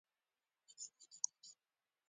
هغه په الوتکو ډزې پیل کړې خو الوتکې رانږدې شوې